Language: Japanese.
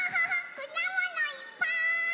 くだものいっぱい！